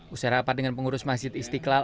usai rapat dengan pengurus masjid istiqlal